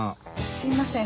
すいません